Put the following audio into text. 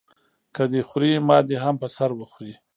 که دی خوري ما دې هم په سر وخوري.